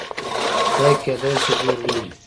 یا کیدای شي ډیر لوی وي.